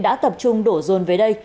đã tập trung đổ dồn về đây